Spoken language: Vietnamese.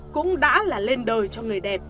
cũng đã là lên đời cho người đẹp